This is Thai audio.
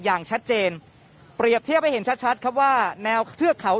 อย่างชัดเจนเปรียบเทียบให้เห็นชัดชัดครับว่าแนวเทือกเขา